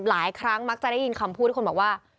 หลายครั้งมักจะได้ยินคำพูดที่คนบอกว่า